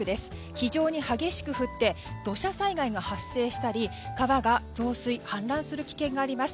非常に激しく降って土砂災害が発生したり川が増水・氾濫する危険があります。